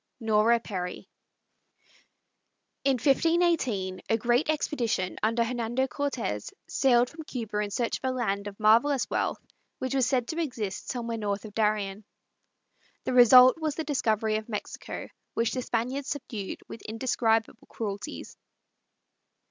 NORA PERRY. In 1518 a great expedition, under Hernando Cortez, sailed from Cuba in search of a land of marvellous wealth which was said to exist somewhere north of Darien. The result was the discovery of Mexico, which the Spaniards subdued with indescribable cruelties.